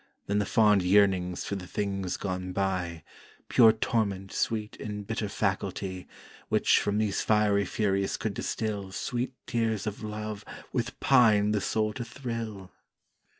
Then the fond yearnings for the things gone by, Pure torment sweet in bitter faculty, Which from these fiery furies could distill Sweet tears of Love with pine the soul to thrill?